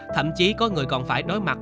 thậm chí có người còn phải đối mặt